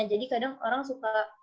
jadi kadang orang suka